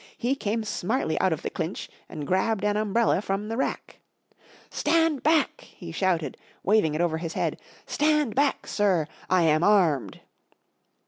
He came smartly out of the clinch and grabbed an umbrella from the rack. 44 Stand back! " he shouted, waving it over his head. 44 Stand back, sir! I am armed!"